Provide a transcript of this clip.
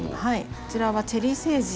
こちらはチェリーセージ。